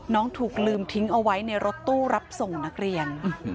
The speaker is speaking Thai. ถูกลืมทิ้งเอาไว้ในรถตู้รับส่งนักเรียน